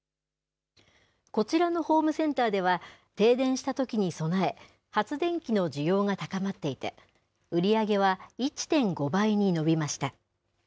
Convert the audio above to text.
こちらのホームセンターでは、停電したときに備え、発電機の需要が高まっていて、売り上げは１．５倍に伸びました。